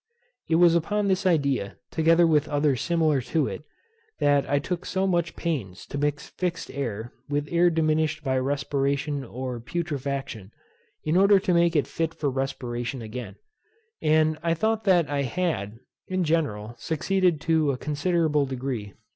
It was upon this idea, together with others similar to it, that I took so much pains to mix fixed air with air diminished by respiration or putrefaction, in order to make it fit for respiration again; and I thought that I had, in general, succeeded to a considerable degree, p.